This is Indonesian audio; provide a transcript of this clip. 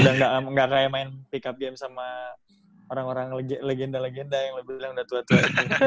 udah gak kayak main pick up game sama orang orang legenda legenda yang lebih bilang udah tua tua